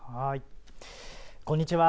こんにちは。